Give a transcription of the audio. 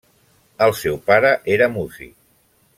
El seu pare era músic.